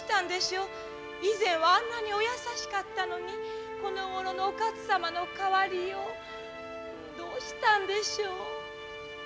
以前はあんなにお優しかったのにこのごろのお勝様の変わりようどうしたんでしょう。